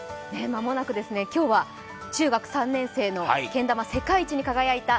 間もなく、今日は中学３年生のけん玉世界一に輝いた